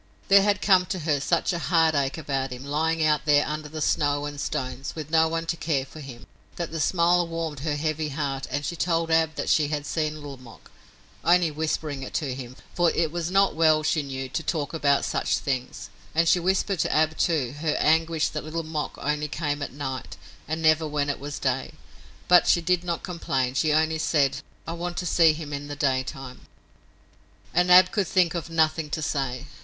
There had come to her such a heartache about him, lying out there under the snow and stones, with no one to care for him, that the smile warmed her heavy heart and she told Ab that she had seen Little Mok, only whispering it to him for it was not well, she knew, to talk about such things and she whispered to Ab, too, her anguish that Little Mok only came at night, and never when it was day, but she did not complain. She only said: "I want to see him in the daytime." And Ab could think of nothing to say.